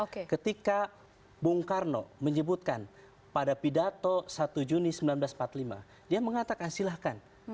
ketika bung karno menyebutkan pada pidato satu juni seribu sembilan ratus empat puluh lima dia mengatakan silahkan